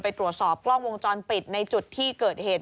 ไปตรวจสอบกล้องวงจรปิดในจุดที่เกิดเหตุ